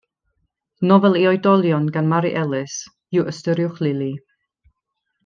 Nofel i oedolion gan Mari Ellis yw Ystyriwch Lili.